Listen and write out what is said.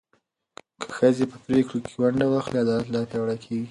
که ښځې په پرېکړو کې ونډه واخلي، عدالت لا پیاوړی کېږي.